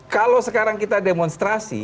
kalau sekarang kita demonstrasi